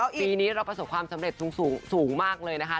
ปีนี้เราประสบความสำเร็จสูงมากเลยนะคะ